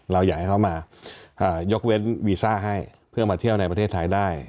เราอยากให้เขามายกเว้นวีซ่าให้เพื่อมาเที่ยวในประเทศไทยได้